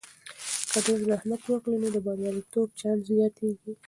که ډیر زحمت وکړو، نو د بریالیتوب چانس زیاتیږي.